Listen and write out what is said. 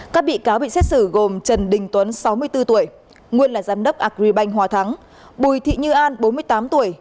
các bị cáo bị xét xử gồm trần đình tuấn sáu mươi bốn tuổi nguyên là giám đốc agribank hòa thắng bùi thị như an bốn mươi tám tuổi